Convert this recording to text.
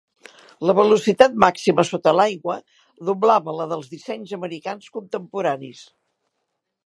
La velocitat màxima sota l'aigua doblava la dels dissenys americans contemporanis.